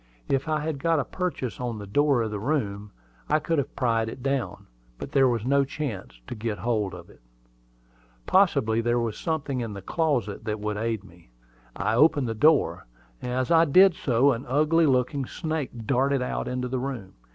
If I had got a purchase on the door of the room, I could have pried it down; but there was no chance to get hold of it. Possibly there was something in the closet that would aid me. I opened the door. As I did so, an ugly looking snake darted out into the room.